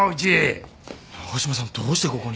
長嶋さんどうしてここに？